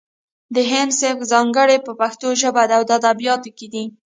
د هندي سبک ځانګړنې په ژبه فکر او ادبیاتو کې دي